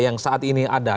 yang saat ini ada